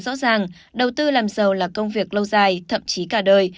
lý gia thành khá rõ ràng đầu tư làm giàu là công việc lâu dài thậm chí cả đời